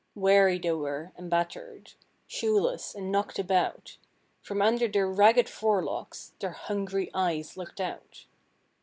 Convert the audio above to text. Weary they were and battered, Shoeless, and knocked about; From under their ragged forelocks Their hungry eyes looked out.